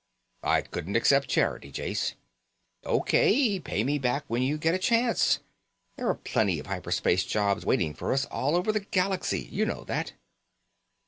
"I couldn't accept charity, Jase." "O.K. Pay me back when you get a chance. There are plenty of hyper space jobs waiting for us all over the galaxy, you know that."